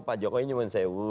pak jokowi nyumun sewu